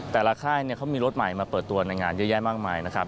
แต่ละค่ายเขามีรถใหม่มาเปิดตัวในงานเยอะแยะมากมาย